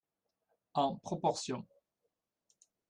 En proportion.